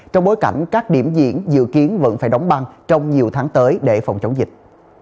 trong bối cảnh các điểm diễn dự kiến vẫn phải đóng băng trong nhiều tháng tới để phòng chống dịch